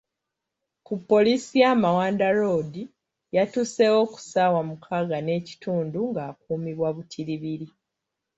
Ku poliisi ya Mawanda Road yatuuseewo ku ssaawa mukaaga n'ekitundu ng'akuumibwa butiribiri.